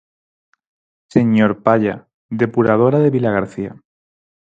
Señor Palla, depuradora de Vilagarcía.